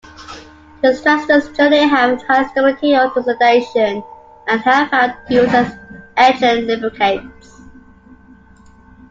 Tetraesters generally have high stability to oxidation and have found use as engine lubricants.